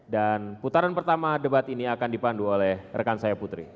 dan putaran pertama debat ini akan dipandu oleh rekan saya putri